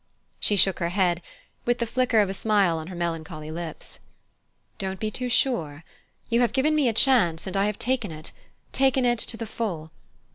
She shook her head, with the flicker of a smile on her melancholy lips. "Don't be too sure! You have given me a chance and I have taken it taken it to the full.